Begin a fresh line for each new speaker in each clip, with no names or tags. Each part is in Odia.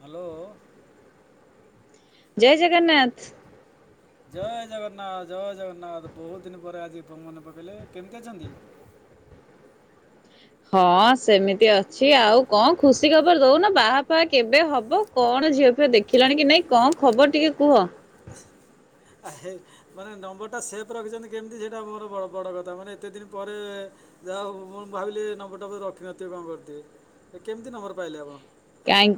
ହାଲୋ
ଜୟ ଜଗନ୍ନାଥ।
ଜୟ ଜଗନ୍ନାଥ, ଜୟ ଜଗନ୍ନାଥ। ବହୁତ ଦିନ ପରେ ଆଜି ପୁଣି ମନେ ପକେଇଲେ, କେମିତି ଅଛନ୍ତି?
ହଁ ସେମିତି ଅଛି ଆଉ କଣ ଖୁସି ଖବର ଦଉନ ବାହା ଫାହା କେବେ ହବ? କଣ ଝିଅ ଫିଅ ଦେଖିଲଣି କି ନାଇଁ, କଣ ଖବର ଟିକେ କୁହ?
ଆ ମାନେ ନମ୍ବରଟା ସେଫ୍ ରଖିଚନ୍ତି କେମିତି ସେଇଟା ମୋର ବଡ ବଡ଼ କଥା। ମାନେ ଏତେ ଦିନ ପରେ ଯାହା ହଉ ମୁଁ ଭାବିଲି ନମ୍ବରଟା ରଖିନଥିବେ ବୋଧେ। କେମିତି ନମ୍ବର ପାଇଲେ ଆପଣ?
କାହିଁ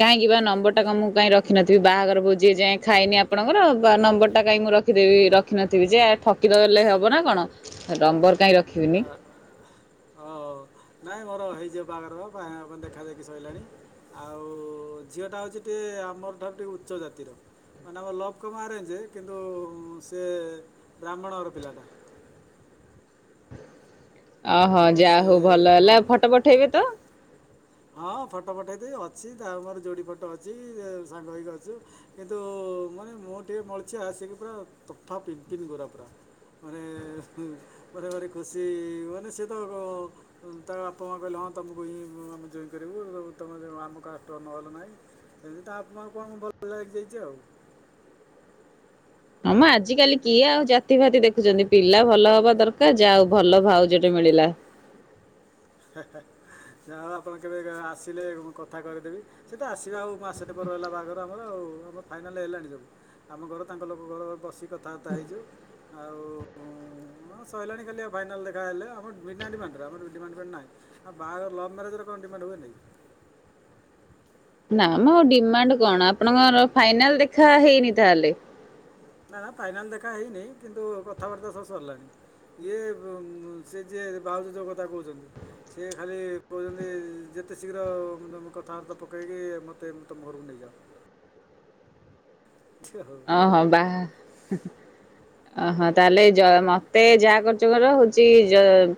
କାହିଁକି ବା ନମ୍ବର ଟା କଣ ମୁଁ କାହିଁ ରଖିିନଥିବି? ବାହାଘର ଭୋଜି ଏ ଯାଏ ଖାଇନି ଆପଣଙ୍କର। ବା ନମ୍ବର ଟା କାଇଁ ମୁଁ ରଖିଦେବି ରଖିନଥିବି ଯେ। ଠକିଦଲେ ହବ ନା କଣ ନମ୍ବର କାଇଁ
ଆ
ରଖିବିନି।
ହଉ ନାଇଁ ମୋର ହେଇଯିବ ବାହାଘର ବା ହବ, ଦେଖାଦେଖି ସଇଲାଣି। ଆଉ ଝିଅଟା ହଉଚି ଟିକେ ଆମର ଠାରୁ ଟିକେ ଉଚ୍ଚ ଜାତିର ମାନେ ଆମର ଲଭ୍ କମ ଆରେଞ୍ଜ କିନ୍ତୁ ସେ ବ୍ରାହ୍ମଣଘର ପିଲାଟା।
ଓହୋ,
ହଁ
ଯାହା
ସେ
ହଉ ଭଲ
ହଁ
ହେଲା ଫଟ ପଠେଇବି ତ।
ହଁ ଫଟୋ ପଠେଇ ଦେଇ, ଅଛି ତା ମୋର ଯୋଡ଼ି ଫଟ ଅଛି। ସାଙ୍ଗ ହଇକି ଅଛୁ। କିନ୍ତୁ ମାନେ ମୁଁ ଟିକେ ମଳିଛିଆ ଆସିକି ପୁରା ତଫା ପିନ୍ପିନ୍ ଗୋରା ପୁରା, ମାନେ ମ ମତେ ଗୋଟେ ଖୁସି ମାନେ ସେ ତ ତା ବାପା ମା କହିଲେ ହଁ ତମକୁ ହିଁ ମ ଜଇଁ କରିବୁ। ତମେ ଆମ କାଷ୍ଟର ନହେଲେ ନାହିଁ। ସେମିତି ଆପଣ କଣ ଭଲ ଲାଗି ଯାଇଚି ଆଉ।
ହମ ଆ ଆଜିକାଲି କିଏ
ହଁ
ଆଉ ଜାତି ଭାତି ଦେଖୁଚନ୍ତି। ପିଲା ଭଲ ହବା ଦରକାର। ଯା ହଉ ଭଲ ଭାଉ ଜ ଟେ ମିଳିଲା।
ଯା ଉ ଆପଣ କେବେ ଆସିଲେ କଥା କରେଦେବି। ସେ ତ ଆସିବ ଆଉ ମାସେ ଟେ ପରେ ରହିଲ ବାହଘ ଆର ଆଉ। ଆମ ଫାଇନାଲ ହେଲାଣି ସବୁ। ଆମ ଘର ତାଙ୍କ ଲୋକ ଘର ବସିକ କଥାବାତା ହେଇଛୁ। ଆଉ ହଁ ସଇଲାଣି ଖାଲି ଆଉ ଫାଇନାଲ୍ ଦେଖାହେଲେ ଆମ ବିନା ଡିମାଣ୍ଡରେ ଆମର ଡିମାଣ୍ଡ ବା ନାଇଁ। ଆଉ ବାହାଘର ଲଭ ମ୍ୟାରେଜ ର କଣ ଡିମାଣ୍ଡ ହୁଏନି।
ନା ମ ଡିମାଣ୍ଡ କଣ? ଆପଣଙ୍କର ଫାଇନାଲ ଦେଖା ହେଇନି ତାହେଲେ।
ନା ନା ଫାଇନାଲ ଦେଖା ହେଇନିଁ କିନ୍ତୁ କଥାବାର୍ତ୍ତା ସ ସରିଲାନି। ଇଏ ସେ ଯିଏ ଭାଉଜ ଯଉ କଥା କହଚନ୍ତି ସେ ଖାଲି କହୁଚନ୍ତି ଯେତେ ଶୀଘ୍ର ତମ କଥାବାର୍ତ୍ତା ପକେଇକି ମୋତେ ତମ ଘରକୁ ନେଇଯାଅ। ହଉ
ଓହୋ ବାହା ଅହୋ ତାହଲେ ଯ ମତେ ଯାହା କରୁଛ କର ହଉଚି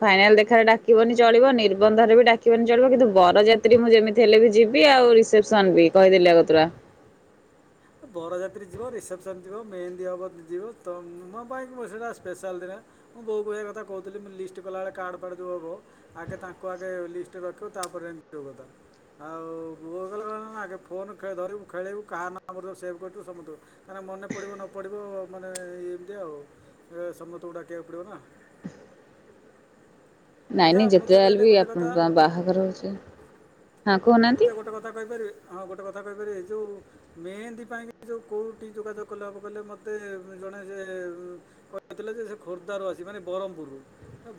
ଫାଇନାଲ ଦେଖାରେ ଡାକିବନି ଚଳିବ, ନିର୍ବନ୍ଧରେ ବି ଡାକିବନି ଚଳିବ, କିନ୍ତୁ ବରଯାତ୍ରୀ ମୁଁ ଯେମିତି ହେଲେ ବି ଯିବି, ଆଉ ରିସେପସନ ବି, କହିଦେଲି ଆଗତୁରା।
ଲିଥିବ, ମେହେନ୍ଦୀ ହବ ଯିବ, ତ ମ ପାଇଁ ସେଇଟା ସ୍ପେଶାଲ ଦିନେ ମୁଁ ବୋଉକୁ ଏ କଥା କହୁଥିଲି ମୁ ଲିଷ୍ଟ କଲାବେଳେ କାର୍ଡ଼ ଫାର୍ଡ଼ ଯ ହବ, ଆଗେ ତାଙ୍କୁ ଆଗେ ଲିଷ୍ଟରେ ରଖିବୁ ତାପରେ ଏମିତିିବ କଥା। ଆଉ ବଉ କହିଲା ହ ଆଗ ଫୋନ ଧୁ ଖେଳିବୁ କାହା ନା ଆମର ଯେ ସେଭ୍ କରିଥିବ ସମସ୍ତଙ୍କୁ, କାହିଁକି ନା ମନେ ପଡ଼ିବ ନ ପଡ଼ିବ ମାନେ, ଏମିତି ଆଉ। ସମସ୍ତଙ୍କୁ ଡାକିବାକୁ ପଡ଼ିବ ନା।
ନାଇଁ
ଆଚ୍ଛା
ନାଇ
ମୋତେ
ଯେତେ ହେଲେ
କହିଲେ
ବି
ଗୋଟେ କଥା
ଆପଣ ବାହାଘର ଅଛି।
ମୋତେ ଗୋଟେ କଥା କହିପାରିବେ? ହଁ ଗୋଟେ କଥା କହିହପାରିବେ, ଯଉଁ ମେହେନ୍ଦୀ ପାଇଁକି ଯଉଁ କଉଁଠି ଯୋଗାଯୋଗ କଲେ ହବ କଇଲେ? ମୋତେ ଜଣେ ସେ କଥିଲେ ଯେ ସେ ଖୋର୍ଦ୍ଧାରୁ ଆସିବ, ମାନେ ବରମ୍ପୁରରୁ,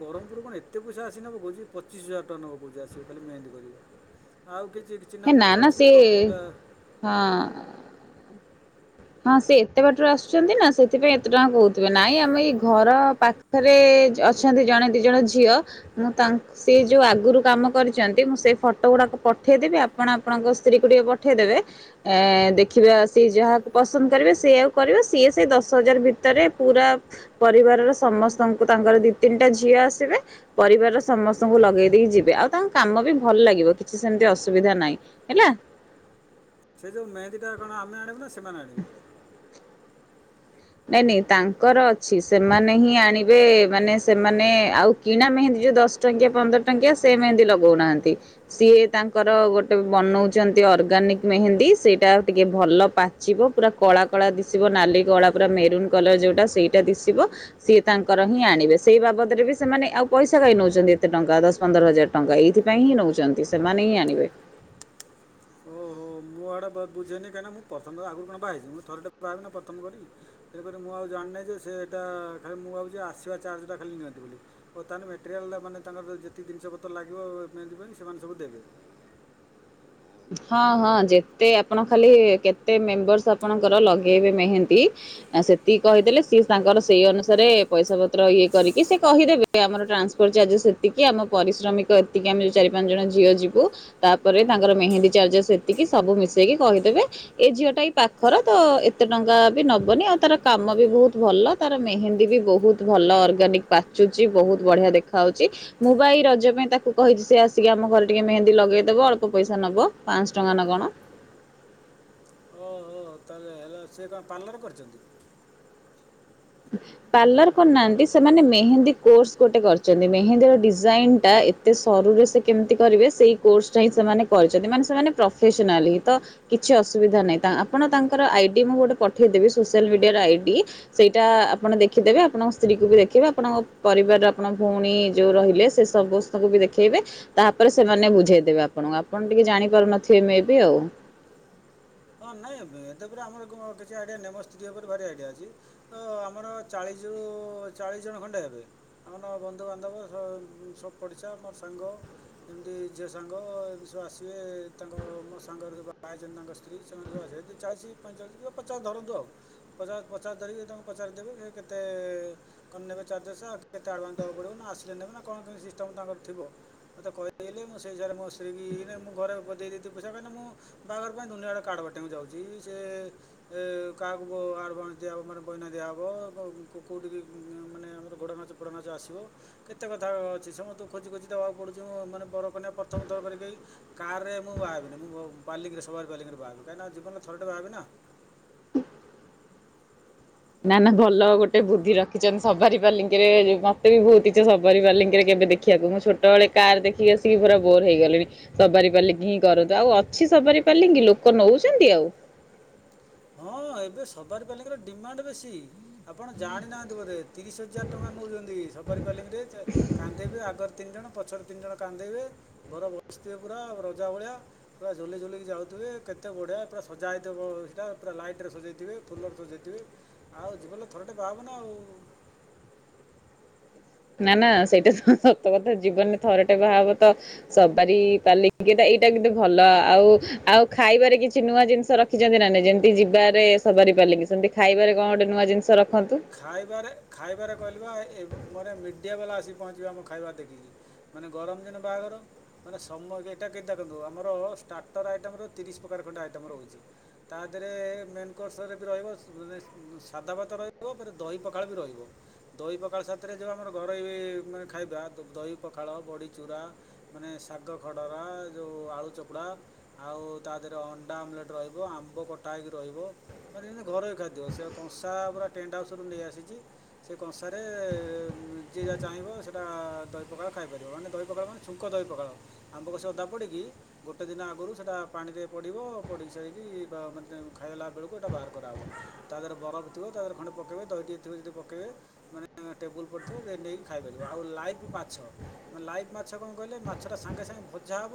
ବରମ୍ପୁରରୁ କଣ ଏତେ ପଇସା ଆସି ନବ। କହୁଚି ପଚିଶ ହଜାର ଟଙ୍କା ନବ କହୁଚି ଆସିବ ଖାଲି ମେହେନ୍ଦୀ କରିବ। ଆଉ କିଛି ଚିହ୍ନା
ହେ ନା
ପରିଚୟ
ନା ସେ
ଅଛନ୍ତି କମ୍ ପଇସା-
ହଁ। ହଁ ସେ ଏତେ ବାଟରୁ ଆସୁଛନ୍ତି ନା ସେଥିପାଇଁ ଏତେ ଟଙ୍କା କହୁଥିବେ। ନାଇଁ ଆମ ଏଇ ଘର ପାଖରେ ଅଛନ୍ତି ଜଣେ ଦି ଜଣ ଝିଅ ମୁଁ ତାଙ୍କ୍ ସେ ଯୋଉ ଆଗୁରୁ କାମ କରିଛନ୍ତି ମୁଁ ସେଇ ଫଟୋ ଗୁଡାକ ପଠେଇ ଦେବି। ଆପଣ ଆପଣଙ୍କ ସ୍ତ୍ରୀକୁ ଟିକିଏ ପଠେଇ ଦେବେ। ଏଁ ଦେଖିବେ ସେ ଯାହା ପସନ୍ଦ କରିବେ ସିଏ ଆଉ କରିବେ। ସିଏ ସେଇ ଦଶ ହଜାର ଭିତରେ ପୁରା ପରିବାରର ସମସ୍ତଙ୍କୁ ତାଙ୍କର ଦି ତିନିଟା ଝିଅ ଆସିବେ ପରିବାରର ସମସ୍ତଙ୍କୁ ଲଗେଇ ଦେଇକି ଯିବେ। ଆଉ ତାଙ୍କ କାମ ବି ଭଲ ଲାଗିବ। କିଛି ସେମିତି ଅସୁବିଧା ନାହିଁ ହେଲା।
ସେ ଯୋଉ ମେନ୍ଦୀ ଟା କଣ ଆମେ ଆଣିବୁ ନା। ସେ ସେମାନେ ଆଣିବେ।
ନାଇଁ ନାଇଁ ତାଙ୍କର ଅଛି ସେମାନେ ହିଁ ଆଣିବେ। ମାନେ ସେମାନେ ଆଉ କିଣା ମେହେନ୍ଦୀ ଯୋଉ ଦଶ ଟଙ୍କିଆ ପନ୍ଦର ଟଙ୍କିଆ ସେ ମେହେନ୍ଦୀ ଲଗଉ ନାହାଁନ୍ତି। ସିଏ ତାଙ୍କର ଗୋଟେ ବନଉଛନ୍ତି ଅର୍ଗାନିକ ମେହେନ୍ଦୀ। ସେଇଟା ଟିକେ ଭଲ ପାଚିବ ପୁରା କଳା କଳା ଦିଶିବ। ନାଲି କଳା ପୁରା ମେରୁନ୍ କଲର ଯୋଉଟା ସେଇଟା ଦିଶିବ। ସିଏ ତାଙ୍କର ହିଁ ଆଣିବେ। ସେଇ ବାବଦରେ ବି ସେମାନେ ଆଉ ପଇସା କାଇଁ ନଉଛନ୍ତି ଏତେ ଟଙ୍କା ଦଶ ପନ୍ଦର ହଜାର ଟଙ୍କା ଏଇଥିପାଇଁ ହିଁ ନେଉଛନ୍ତି। ସେମାନେ ହିଁ ଆଣିବେ।
ଓହୋ ମୁଁ ଏଆଡେ ବୁଝେନି କାହିଁକିନା ମୁଁ ପ୍ରଥମ ଥର ଆଗରୁ କଣ ବାହା ହେଇଛି ମୁଁ ଥରେଟା ବାହବି ପ୍ରଥମ କରି। ତେଣୁକରି ମୁଁ ଆଉ ଜାଣିନେହି ଯେ ସେ ଏଇଟା ଖାଲି ମୁଁ ଭାବୁଛି ଆସିବା ଚାର୍ଜଟା ଖାଲି ନିଅନ୍ତି ବୋଲି ଓ ତାହେଲେ ମେଟେରିଆଲ୍ଟ ମାନେ ତାଙ୍କର ଯେତିକ ଜିନିଷ ପତ୍ର ଲାଗିବ ମେହେନ୍ଦି ଫେହେନ୍ଦି ସେମାନେ ସବୁ ଦେବେ।
ହଁ ହଁ ଯେତେ ଆପଣ ଖାଲି କେତେ ମେମ୍ବର୍ସ ଆପଣଙ୍କର ଲଗେଇବେ ମେହେନ୍ଦି ସେତିକି କହିଦେଲେ ସିଏ ତାଙ୍କର ସେଇ ଅନୁସାରେ ପଇସା ପତ୍ର ଇଏ କରିକି ସେ କହିଦେବେ। ଆମର ଟ୍ରାନ୍ସପୋର୍ଟ ଚାର୍ଜେସ ସେତିକି ଆମ ପରିଶ୍ରମିକ ଏତିକି ଆମେ ଯ ଚାରି ପାଞ୍ଚ ଜଣ ଝିଅ ଯିବୁ ତାପରେ ତା ତାଙ୍କର ମେହେନ୍ଦୀ ଚାର୍ଜେସ୍ ସେତିକି ସବୁ ମିଶେଇକି କହିଦେବେ। ଏ ଝିଅ ଟା ଏଇ ପାଖର ତ ଏତେ ଟଙ୍କା ବି ନବନି। ଆଉ ତାର କାମ ବି ବହୁତ ଭଲ। ତାର ମେହେନ୍ଦୀ ବି ବହୁତ ଭଲ ଅର୍ଗାନିକ ପାଚୁଛି ବହୁତ ବଢିଆ ଦେଖାହାଉଛି। ମୁଁ ବା ଏଇ ରଜ ପାଇଁ ତାକୁ କହିଛି ସେ ଆସିକି ଆମ ଘରେ ଟିକେ ମେନ୍ଦୀ ଲଗେଇଦବ। ପଇସା ନବ ପାଞ୍ଚଶ ଟଙ୍କା ନା କଣ।
ଓହୋ ତାହେଲେ ହେଲା ସେ କଣ ପାର୍ଲର କରିଛନ୍ତି।
ପାର୍ଲର କରନାହାଁନ୍ତି ସେମାନେ ମେହେନ୍ଦୀ କୋର୍ସ ଗୋଟେ କରିଛନ୍ତି। ମେହେନ୍ଦୀର ଡିଜାଇନ୍ ଟା ଏତେ ସରୁରେ ସେ କେମିତି କରିବେ ସେଇ କୋର୍ସଟା ହିଁ ସେମାନେ କରିଛନ୍ତି। ମାନେ ସେମାନେ ପ୍ରଫେସନାଲି ତ କିଛି ଅସୁବିଧା ନାହିଁ। ତା ଆପଣ ତାଙ୍କର ଆଇଡି ମୁଁ ଗୋଟେ ପଠେଇଦେବି ସୋସିଆଲ ମିଡିଆର ଆଇଡି। ଇଟା ଆପଣ ଦେଖିଦେବେ ଆପଣଙ୍କ ସ୍ତ୍ରୀକୁ ବି ଦେଖେଇବେ। ଆପଣଙ୍କ ପରିବାରର ଆପଣ ଭଉଣୀ ଯୋଉ ରହିଲେ ସେ ସବୁସ୍ତଙ୍କୁ ବି ଦେଖେଇବେ। ତାପରେ ସେମାନେ ବୁଝେଇଦେବେ ଆପଣଙ୍କୁ। ଆପଣ ଟିକେ ଜାଣିପାରୁନଥିବେ ଏ ମେବି ଆଉ।
ହଁ ନାଇଁ ଏତେପ ଆମର କିଛି ଆଇଡିଆ ନେ ମୋ ସ୍ତ୍ରୀ ଉପରେ ଭାରି ଆଇଡିଆ ଅଛି। ତ ଆମର ଚାଳିଶରୁ ଚାଳିଶ ଜଣ ଖଣ୍ଡେ ହେବେ। ଆମର ବନ୍ଧୁବାନ୍ଧବ ସୁ ପଡିଶା ମୋର ସାଙ୍ଗ ଏମିତି ଝିଅ ସାଙ୍ଗ ଏମିତି ସବୁ ଆସିବେ ତାଙ୍କ ମୋ ସାଙ୍ଗର ଯୋଉ ସବୁ ବାହାହେଇଛନ୍ତ ତାଙ୍କ ସ୍ତ୍ରୀ ସେମାନେ ସବୁ ଆସ ଚାଳିଶ ପଇଁଞ୍ଚାଳିଶ ପଚାଶ ଧରନ୍ତୁ ଆଉ। ପଚାଶ ପଚାଶ ଧରିକି ତାଙ୍କୁ ପଚାରି ଦେବେ ସେ କେତେ କଣ ନେବେ ଚାରଜେସେ ଆ କେତେ ଆଡଭାନ୍ସ ଦେବାକୁ ପଡିବ ନା ଆସିଲେ ନେବେ ନା କଣ କେ ସିଷ୍ଟମ୍ ତାଙ୍କର ଥିବ ମୋତେ କହି ଦେଲେ ମୁଁ ସେ ହିସାବରେ ମୋ ସ୍ତ୍ରୀ କିଁ ଘରେ ବ ଦେଇଦି ପଇସା ହିଁକ ମୁଁ ବାହାଘର ପାଇଁ ଦୁନିଆଡେ କାର୍ଡ ବାଟିବାକୁ ଯାଉଛି ସେ ଏ କାହାକୁ ଆଡଭାନ୍ସ ଦିଆହବ ମାନେ ବଇନା ଦିଆହେବ କୋଉଠିକି ମାନେ ଆମର ଘୋଡ ନାଚ ପୋଡା ନାଚ ଆସିବ କେତେ କଥା ଅଛି ସମସ୍ତଙ୍କୁ ଖୋଜି ଖୋଜି ଦେବାକୁ ପଡୁଛି ମୁଁ ମାନେ ବରକନ୍ୟା ପ୍ରଥମ ଥର କରିକି କାରରେ ମୁଁ ବାହାବିନି ମୁଁ ବାଲିଙ୍ଗରେ ସବାର ବାଲିଙ୍ଗରେ ବାହାହବି। କାହିଁକି ନା ଜୀବନରେ ଥରଟେ ବାହା ହେବି ନା।
ନା ନା ଭଲ ଗୋଟେ ବୁଦ୍ଧି ରଖିଛନ୍ତି ସବାରି ପାଲିଙ୍କିରେ ମତେ ବି ବହୁତ ଇଛା ସବାରି ପାଲିଙ୍ଗିରେ କେବେ ଦେଖିବାକୁ ମୁଁ ଛୋଟବେଳେ କାର ଦେଖିକି ଆସିକି ପୁରା ବୋର୍ ହେଇଗଲିଣି। ସବାରି ପାଲିଙ୍ଗି ହିଁ କରନ୍ତୁ ଆଉ ଅଛି ସବାରି ପାଲିଙ୍ଗି ଲୋକ ନଉଛନ୍ତି ଆଉ।
ହଁ ଏବେ ସବାରିପାଲିଙ୍କିର ଡିମାଣ୍ଡ ବେଶୀ। ଆପଣ ଜାଣିନାହାନ୍ତି ବୋଧେ ତିରିଶ ହଜାର ଟଙ୍କା ନଉଛନ୍ତି ସବାରୀ ବାଲିଙ୍ଗ ରେ କାନ୍ଧେଇବେ ଆଗରେ ତିନି ଜଣ ପଛରେ ତିନି ଜଣ କାନ୍ଦେଇବେ ବର ବସିଥିବେ ପୁରା ରଜା ଭଳିଆ ପୁରା ଝୁଲି ଝୁଲିକି ଯାଉଥିବେ। କେତେ ବଢିଆ ପୁରା ସଜା ହେଇଥିବ। ଟ ପୁରା ଲାଇଟ୍ ରେ ସଜେଇଥିବେ। ଫୁଲରେ ସଜେଇଥିବେ ଆଉ ଜୀବନ ଥରଟେ ବାହାବ ନା ଆଉ।
ନା ନା ସେଇଟା ହଁ ସତ କଥା ଜୀବନରେ ଥରଟେ ବାହାହବ ତ ସବାରି ପାଲିଙ୍କି ଏଇଟା କିନ୍ତୂ ଭଲ ଆଉ ଆଉ ଖାଇବାରେ କିଛି ନୂଆ ଜିନିଷ ରଖିଛନ୍ତି ନା ନାଇ ଯେମିତି ଯିବାରେ ସବାରି ପାଲିଙ୍କୀ ସେମିତି ଖାଇବାରେ କଣ ଗୋଟେ ନୂଆ ଜିନିଷ ର
ଖାଇବାରେ ଖାଇବାରେ କହିଲି ପା ଏ ବୁ ମାନେ ମି ଡ଼ିଆ ବାଲା ଆସି ପହଞ୍ଚିବା ଆମ ଖାଇବା ଦେଖିକି ମାନେ ଗରମ ଦିନ ବାହାଘର ମାନେ ସମୟ ଏଟା କେକ ଦେଖନ୍ତୁ ଆମର ଷ୍ଟାର୍ଟର ଆଇଟମର ତିରିଶ ପ୍ରକାର ଖଣ୍ଡେ ଆଇଟମ ରହୁଛି ତା ଦେହରେ ମେନ୍ କୋର୍ସରେ ବି ରହିବ ମାନେ ଉଁ ସାଧା ଭାତ ରହି ବ ଫେରେ ଦହି ପଖାଳ ବି ରହିବ ଦହି ପଖାଳ ସାଥିରେ ଯଉ ଆମର ଘରୋଇ ମାନେ ଖାଇବା ଦ-ଦହି ପଖାଳ ବଡ଼ି ଚୁରା ମାନେ ଶାଗ ଖଡ଼ରା ଯଉ ଆଳୁ ଚକୁଡ଼ା ଆଉ ତା ଦେହରେ ଅଣ୍ଡା ଆମଲେଟ୍ ରହିବ ଆମ୍ବ କଟା ହେଇକି ରହିବ ମାନେ ଯେମିତି ଘରୋଇ ଖାଦ୍ୟ ସେ କଂସା ପୁରା। ଟେଣ୍ଟ ହାଉସ ରୁ ନେଇଆସିଚି ସେ କଂସାରେ ଯିଏ ଯାହା ଚାହିଁବ ସେଇଟା ଦହି ପଖାଳ ଖାଇପାରିବ ମାନେ ଦହି ପଖାଳ ମାନେ ଛୁଙ୍କ ଦହି ପଖାଳ ଆମ୍ବ କଷି ଅଦା ପଡ଼ିକି ଗୋଟେ ଦିନ ଆଗରୁ ସେଇଟା ପାଣିରେ ପଡ଼ିବ ପଡ଼ିକି ସାରିକି ବା ମାନେ ଖାଇଲା ବେଳକୁ ଏଇଟା ବାହାର କରାହବ ତା ଦେହରେ ବରଫ ଥିବ। ତାଦେହରେ ଖଣ୍ଡେ ପକେଇବେ ଦହି ଟିକେ ଥିବ ଯଦି ପକେଇବେ ମାନେ ଟେବୁଲ୍ ପଡ଼ିଥିବ ଯେ ନେଇକି ଖାଇପାରିବ ଆଉ ଲାଇଫ ମାଛ ମାନେ ଲାଇଫ ମାଛ କଣ କହିଲେ ମାଛଟା ସାଙ୍ଗେ ସାଙ୍ଗେ ଭଜା ହବ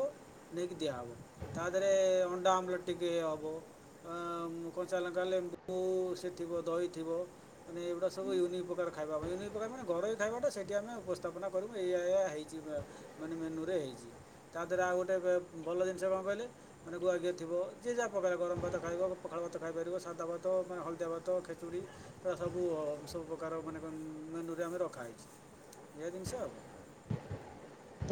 ନେଇକି ଦିଆହବ ତା ଦେହରେ ଅଣ୍ଡା ଆମଲେଟ୍ ଟିକେ ହବ ଆଁ ମୁଁ କଞ୍ଚା ଲଙ୍କା ଆଣିଲେ ଵୁ ସେ ଥିବ ଦହି। ଥିବ ମାନେ ଏଗୁରା ସବୁ ୟୁନିକ ପ୍ରକାର ଖାଇବା ୟୁନିକ୍ ପ୍ରକାର ମାନେ ଘରୋଇ ଖାଇବା ଟା ସେଇଠି ଆମେ ଉପସ୍ଥାପନା କରିମୁ ଏଇୟା ଏଇୟା ହେଇଛି ବା ମାନେ ମେନ୍ୟୁ ରେ ହେଇଚି ତା ଦେହ ରେ ଆଉ ଗୋଟେ ବେ ଉଁ ଭଲ ଜିନିଷ କଣ କହିଲେ ମାନେ ଗୁଆ ଘିଅ ଥିବ ଯେ ଯାହା ପ୍ରକାର ଗରମ ଭାତ ଖାଇବ ପଖାଳ ଭାତ ଖାଇପାରିବ ସାଧା ଭାତ ମାନେ ହଳଦିଆ ଭାତ ଖେ ଚୁଡ଼ି ଏଗୁଡା ସବୁ ଅ ସବୁ ପ୍ରକାର ମାନେ କନ ମେନ୍ୟୁ ରେ ଆମେ ରଖା ହେଇଚି ଏ ଜିନିଷ ଆଉ କଣ।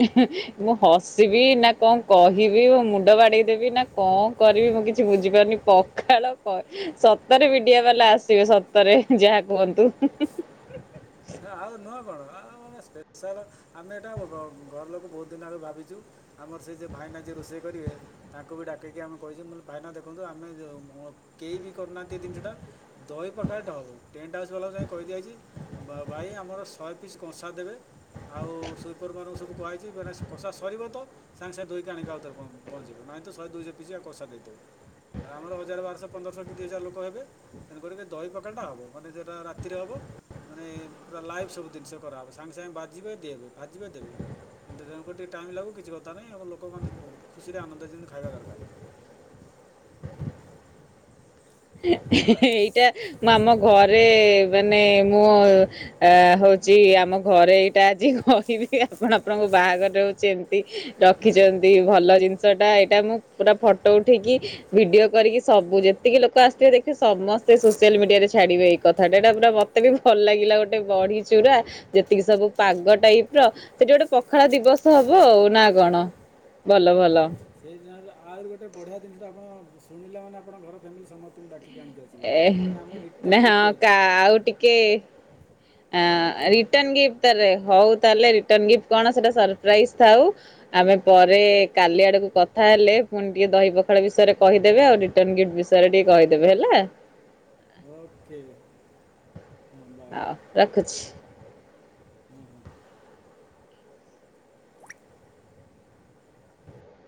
ଏ ହେଁ ମୁଁ ହସିବି ନା ଙ୍କ କହିବି ମୋ ମୁଣ୍ଡ ବାଡେଇଦେବି ନା ଙ୍କ କରିବି ମୁଁ କିଛି ବୁଝିପାରୁନି ପଖାଳ କ ସତରେ ମିଡିଆ ବାଲା ଆସିବେ ସତରେ ଯାହା କୁହନ୍ତୁ ହୁଁ ହୁଁ ହୁଁ।
ଆଉ ନୁହ କଣ। ଆଉ ଆମେ ସ୍ପେଶାଲ ଆମେ ଏଟା ଘ-ଘର ଲୋକ ବହୁତ ଦିନ ଆଗରୁ ଭାବିଛୁ ଆମର ସେ ଯେ ଭାଇନା ଯିଏ ରୋଷେଇ କରିବେ ତାଙ୍କୁ ବି ଡାକିକି ଆମେ କହିଚୁ ମୁଁ କହିଲି ଭାଇନା ଦେଖନ୍ତୁ ଆମେ ଯେ ମ କେହି ବି କରୁନାହାନ୍ତି ଏ ତିନଷଟା ଦହି ପଖାଳ ଟେ ହେବ ଟେଣ୍ଟ ହାଉସ୍ ବାଲାକୁ ଯାଇ କହିଦିଆହେଇଛି। ବା ଭାଇ ଆମର ଶହେ ପିସ୍ କଂଷା ଦେବେ ଆଉ ସ୍ଵିପରମାନଙ୍କୁ ସବୁ କୁହାହେଇଛି ମାନେ କଷା ସରିବ ତ ସାଙ୍ଗେ ସାଙ୍ଗେ ଧୋଇକି ଆଣିକି ଆଉଥରେ ପ-ପହଞ୍ଚିବ ନାହିଁ ତ ଶହେ ଦୁଇଶହ ପିସ୍ ଆ କଷା ଦେଇଦେବ ରା ଆମର ହଜାର ବାରଶହ ପନ୍ଦରଶହ କି ଦୁଇ ହଜାର ଲୋକ ହେବେ ତେଣୁ କରିକି ଦହି ପଖାଳଟା ହବ ମାନେ ସେଇଟା ରାତିରେ ହବ। ମାନେ ପୁରା ଲାଇଭ୍ ସବୁ ଜିନିଷ କରାହବ ସାଙ୍ଗେ ସାଙ୍ଗେ ଭାଜିବେ ଦେବେ ଭାଜିବେ ତେ ତେଣୁକରି ଟିକେ ଟାଇମ୍ ଲାଗୁ କିଛି କଥା ନାହିଁ ଏବଂ ଲୋକମାନେ ବ ଖୁସିରେ ଆନନ୍ଦରେ ଯେମିତି ଖାଇବା ଦରକାର।
ହେ
ହେଲା
ହେ ଏଇଟା ମାମା ଘରେ ମାନେ ମୁଁ ଆ ହଉଚି ଆମ ଘରେ ଏଇଟା ଆଜି କହିବି ଆପଣ ଆପଣଙ୍କ ବାହାଘର ରେ ହଉଛି ଏମିତି ରଖିଛନ୍ତି ଭଲ ଜିନିଷ ଟା ଏଇଟା ମୁଁ ପୁରା ଫଟୋ ଉଠେଇକି ଭିଡିଓ କରିକି ସବୁ ଯେତିକି ଲୋକ କ ଆସିଥିବେ ଦେଖିବେ ସମସ୍ତେ ସୋସିଆଲ ମିଡିଆରେ ଛାଡିବେ ଏଇ କଥାଟା ଏଟା ପୁରା ମତେ ବି ଭଲ ଲାଗିଲା ଗୋଟେ ବଢି ଚୁରା ଯେତିକି ସବୁ ପାଗ ଟାଇପ ର ସେଠି ଗୋଟେ ପଖାଳ ଦିବସ ହବ ଆଉ ନା କଣ ଭଲ ଭଲ।
ସେଇ ଦିନ ତ ଆହୁରି ଗୋଟେ ବଢିଆ ଜିନିଷା ଆପଣ ଶୁଣିଲା ମାନେ ଆପଣ ଘର ଫ୍ୟାମିଲି ସମସ୍ତଙ୍କୁ ଡା
ଏ ନା ହଁ କ
ଅଛି
ଆଉ ଟିକେ ଆଁ ହଉ ତାହଲେ ରିଟନ ଗିଫ୍ଟ ତାହାଲେ ହୋଉ ତାଳେ କଣ ସେଟା ସରପାଇଜ ଥାଉ ଆମେ ପରେ କାଲି ଆଡକୁ କଥା ହେଲେ ପୁଣି ଟିକେ ଦହି ପଖାଳ ବିଷୟରେ କହିଦେବେ ଆଉ ରଟନ ଗିଫ୍ଟ ବିଷୟରେ କହିଦେବେ ହେଲା।
ଓକେ
ହଁ ରଖୁଛି।
ହଁ ହଁ